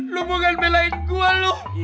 lo bukan belain gue lo